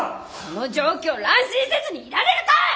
この状況乱心せずにいられるか！